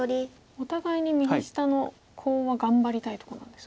お互いに右下のコウは頑張りたいとこなんですか？